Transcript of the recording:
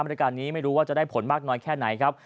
บริการนี้ไม่รู้ว่าจะได้ผลมากน้อยแค่ไหนครับ